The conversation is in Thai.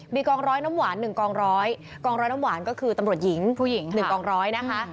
มีกองร้อยน้ำหวาน๑กองร้อยกองร้อยน้ำหวานก็คือตำรวจหญิงผู้หญิง๑กองร้อยนะคะ